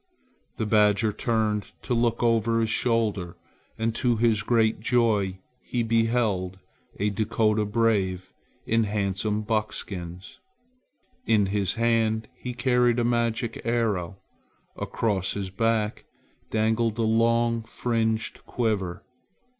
The badger turned to look over his shoulder and to his great joy he beheld a Dakota brave in handsome buckskins. In his hand he carried a magic arrow. Across his back dangled a long fringed quiver.